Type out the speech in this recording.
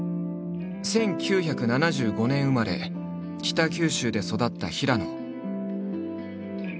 １９７５年生まれ北九州で育った平野。